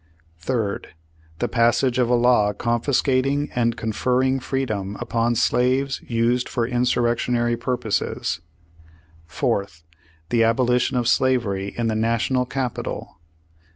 "Third. The passage of a law confiscating and con ferring freedom upon slaves used for insurrectionary pui* poses. "Fourth. The abolition of slavery in the National capi tal.